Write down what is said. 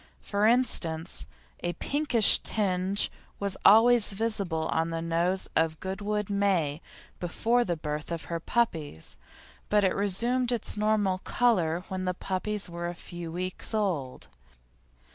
For instance, a pinkish tinge was always visible on the nose of Goodwood Meh before the birth of her puppies; but it resumed its normal colour when the puppies were a few weeks old.